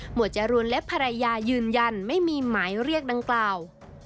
จรูนและภรรยายืนยันไม่มีหมายเรียกดังกล่าว